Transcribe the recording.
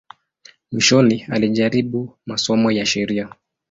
Mwishoni alijaribu masomo ya sheria.